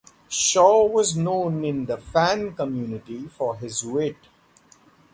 Shaw was known in the fan community for his wit.